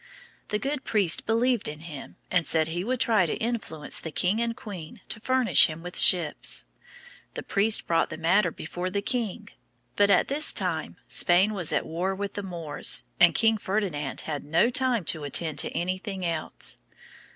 The good priest believed in him and said he would try to influence the king and queen to furnish him with ships. The priest brought the matter before the king; but at this time Spain was at war with the Moors, and King Ferdinand had no time to attend to anything else.